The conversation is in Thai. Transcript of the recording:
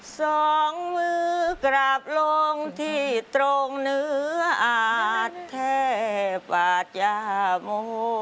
สองมือกลับลงที่ตรงเนื้ออาทแทบอาจมโฮ